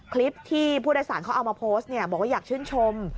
คลิปที่ผู้โดยสารเขาเอามาโพสต์บอกว่าอยากชื่นชม